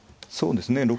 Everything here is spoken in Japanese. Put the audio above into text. そうですね